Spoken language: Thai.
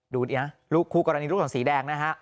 ดูดิคู่กรณีลูกศรสีแดงนะฮะ